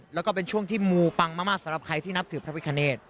แล้วก็เป็นช่วงที่มูปังมากสำหรับใครที่นับถือพระพิคเนต